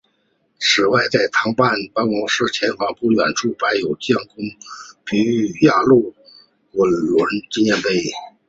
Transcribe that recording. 此外在糖厂办公室前方不远处摆有蒋公堤碑与压路滚轮纪念碑。